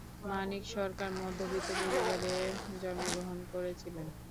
মানিক সরকার মধ্যবিত্ত পরিবারে জন্মগ্রহণ করেছিলেন।